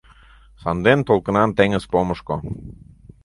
Санден толкынан теҥыз помышко